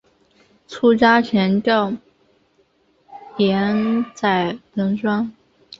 出家前叫岩仔龙庄。